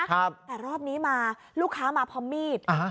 ครับแต่รอบนี้มาลูกค้ามาพอมีดอ่า